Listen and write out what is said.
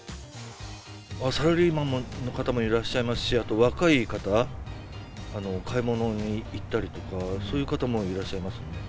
サラリーマンの方もいらっしゃいますし、あと若い方、買い物に行ったりとか、そういう方もいらっしゃいます。